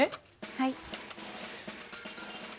はい。